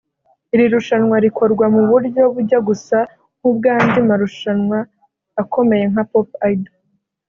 Iri rushanwa rikorwa mu buryo bujya gusa nk’ubw’andi marushanwa akomeye nka Pop Idol